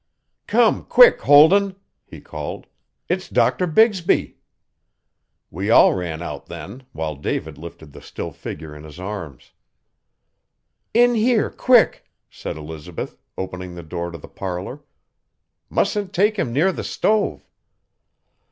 'Come, quick, Holden,' he called, 'it's Doctor Bigsby.' We all ran out then, while David lifted the still figure in his arms. 'In here, quick!' said Elizabeth, opening the door to the parlour. 'Musn't take 'im near the stove.'